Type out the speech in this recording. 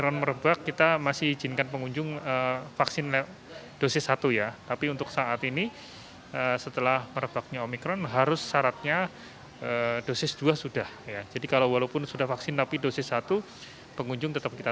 jika pengunjung yang sudah vaksin vaksin minimal dosis satu tetapi pengunjung yang sudah vaksin minimal dosis satu tetapi untuk saat ini setelah merebaknya omikron harus syaratnya dosis dua sudah jadi kalau walaupun sudah vaksin tapi dosis satu pengunjung yang harus dikutuk